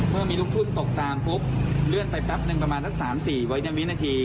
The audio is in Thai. เมื่อมีลูกทุนตกตามปุ๊บเลื่อนไปแป๊บหนึ่งประมาณสัก๓๔วัฒนาวินาที